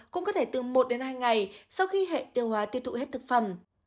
cũng có thể từ một đến hai ngày sau khi hẹn tiêu hóa tiêu thụ hết thực phẩm